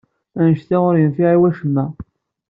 Anect-a ur yenfiɛ i wacemma.